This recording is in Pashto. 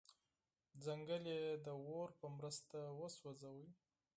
ځنګل یې د اور په مرسته وسوځاوه.